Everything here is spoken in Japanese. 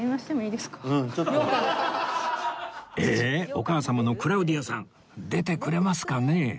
お母様のクラウディアさん出てくれますかね？